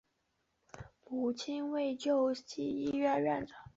母亲为救济医院院长。